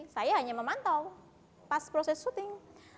saya hanya memantau pas proses syuting